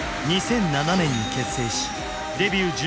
２００７年に結成しデビュー